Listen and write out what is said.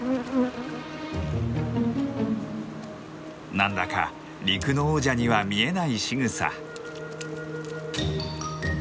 何だか陸の王者には見えないしぐさ。